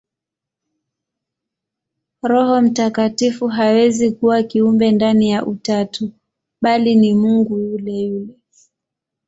Roho Mtakatifu hawezi kuwa kiumbe ndani ya Utatu, bali ni Mungu yule yule.